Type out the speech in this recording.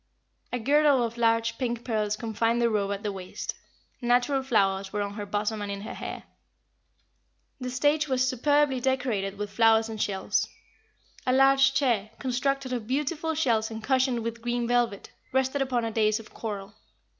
A girdle of large pink pearls confined the robe at the waist. Natural flowers were on her bosom and in her hair. The stage was superbly decorated with flowers and shells. A large chair, constructed of beautiful shells and cushioned with green velvet, rested upon a dais of coral.